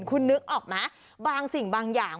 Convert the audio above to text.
คุณนึกออกไหมบางสิ่งบางอย่าง